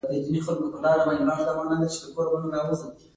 اوس د شواب د وړانديزونو له مخې هغه پرېکړه وکړه.